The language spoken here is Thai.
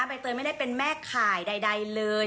ใบเตยไม่ได้เป็นแม่ข่ายใดเลย